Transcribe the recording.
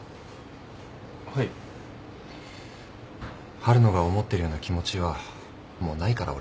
春野が思ってるような気持ちはもうないから俺。